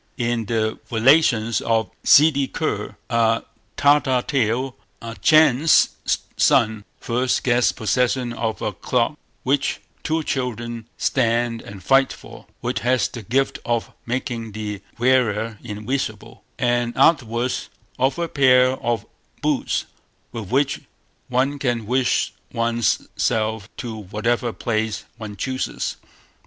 In the Relations of Ssidi Kur, a Tartar tale, a Chan's son first gets possession of a cloak which two children stand and fight for, which has the gift of making the wearer invisible, and afterwards of a pair of boots, with which one can wish one's self to whatever place one chooses.